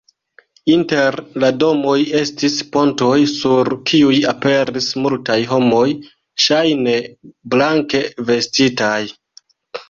Inter la domoj estis pontoj, sur kiuj aperis multaj homoj ŝajne blanke vestitaj.